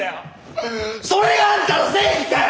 それがあんたの正義かよ！